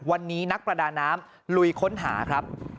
วันนี้นักประดาน้ำลุยค้นหาครับ